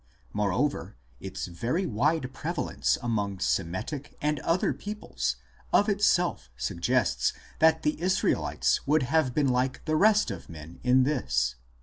Moreover, its very wide prevalence among Semitic and other peoples of itself suggests that the Israelites would have been like the rest of men in this.